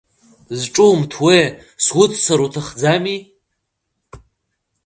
Зҿумҭуеи, суццар уҭахӡами?